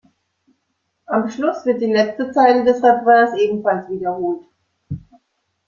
Am Schluss wird die letzte Zeile des Refrains ebenfalls wiederholt.